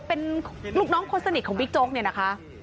เป็นลูกน้องคนสนิทของบิ๊กโจ๊กเนี่ยนะคะ